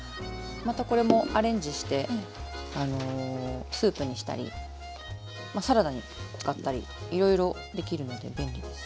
またこれもアレンジしてスープにしたりサラダに使ったりいろいろできるので便利です。